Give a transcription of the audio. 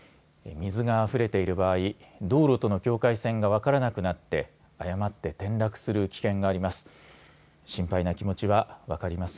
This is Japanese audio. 水があふれている場合道路との境界線がわからなくなって誤って転落する危険があります。